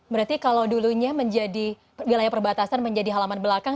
berarti kalau dulunya menjadi wilayah perbatasan menjadi halaman belakang